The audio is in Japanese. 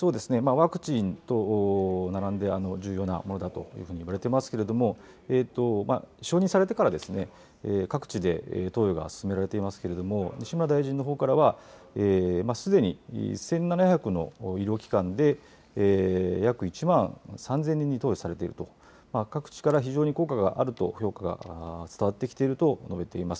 ワクチンと並んで重要なものだというふうにいわれてますけれども、承認されてから、各地で投与が進められていますけれども、西村大臣のほうからは、すでに１７００の医療機関で、約１万３０００人に投与されていると、各地から非常に効果があると、評価が伝わってきていると述べています。